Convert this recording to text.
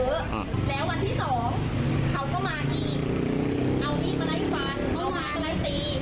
อ่าแล้ววันที่สองเขาก็มาอีกเอามีดมาไล่ฟันเขามาไล่ตี